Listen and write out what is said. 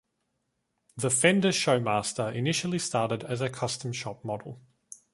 The Fender Showmaster initially started as a Custom Shop model.